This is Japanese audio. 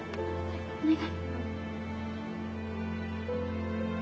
お願い。